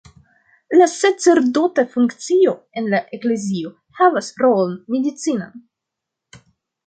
La sacerdota funkcio en la Eklezio havas rolon medicinan.